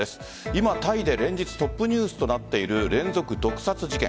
今、タイで連日トップニュースとなっている連続毒殺事件。